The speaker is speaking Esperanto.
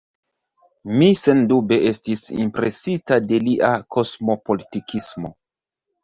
Mi sendube estis impresita de lia kosmopolitismo.